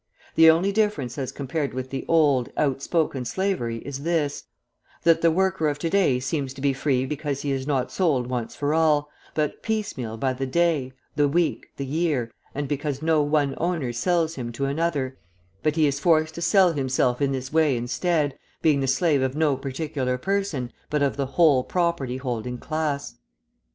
The only difference as compared with the old, outspoken slavery is this, that the worker of to day seems to be free because he is not sold once for all, but piecemeal by the day, the week, the year, and because no one owner sells him to another, but he is forced to sell himself in this way instead, being the slave of no particular person, but of the whole property holding class.